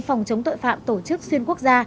phòng chống tội phạm tổ chức xuyên quốc gia